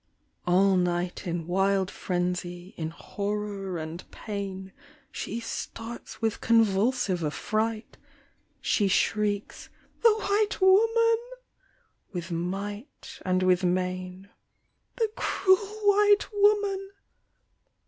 All night in wild phrenzy, in horror and pain, She starts with convulsive affriadit ! She shrieks—" The white woman !" with might and with main, " The cruel white woman